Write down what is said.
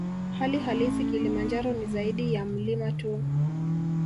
Hali halisi Kilimanjaro ni zaidi ya mlima tu